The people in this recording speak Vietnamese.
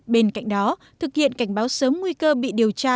bên cạnh đó thực hiện cảnh báo sớm nguy cơ bị điều tra